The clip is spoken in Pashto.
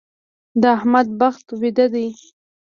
د احمد بخت ويده دی.